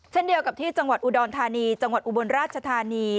เช่นเดียวกับที่จังหวัดอุดรธานีจังหวัดอุบลราชธานี